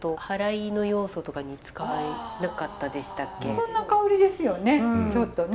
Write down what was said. そんな香りですよねちょっとね。